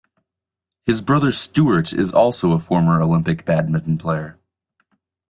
His brother Stuart is also a former olympic badminton player.